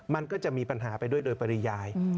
มันก็จะมีปัญหาไปด้วยโดยปริยาย